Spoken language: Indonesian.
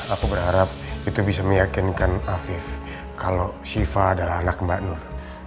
aku berharap itu bisa meyakinkan afif kalau shiva adalah anak mbak nur